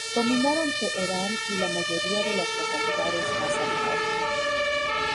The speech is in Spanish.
Dominaron Teherán y la mayoría de las localidades más al norte.